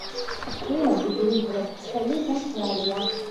კლიმატი ძირითადად ცხელი და მშრალია.